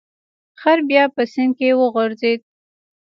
خر بیا په سیند کې وغورځید.